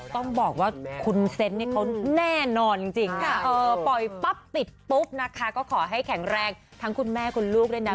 ต้องบอกว่าคุณเซนต์เนี่ยเขาแน่นอนจริงปล่อยปั๊บติดปุ๊บนะคะก็ขอให้แข็งแรงทั้งคุณแม่คุณลูกด้วยนะ